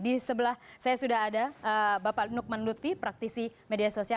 di sebelah saya sudah ada bapak lukman lutfi praktisi media sosial